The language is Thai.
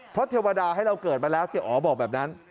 เพราะเทวดาให้เราเกิดมาแล้วเจ๊อ๋อบอกแบบนั้น